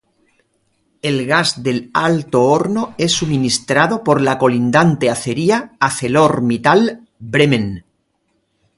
El gas de alto horno es suministrado por la colindante acería ArcelorMittal Bremen.